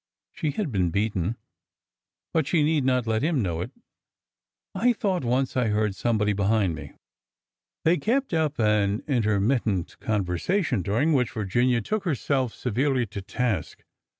She had been beaten, but she need not let him know it. I thought once I heard somebody behind me." They kept up an intermittent conversation, during which Virginia took herself severely to task.